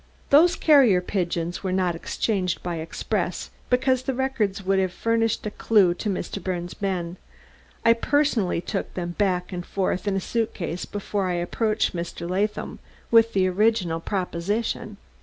"Those carrier pigeons were not exchanged by express, because the records would have furnished a clew to Mr. Birnes' men; I personally took them back and forth in a suitcase before I approached Mr. Latham with the original proposition."